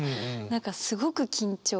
何かすごく緊張。